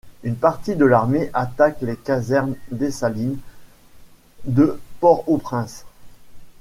Une partie de l'armée attaque les casernes Dessalines de Port-au-Prince.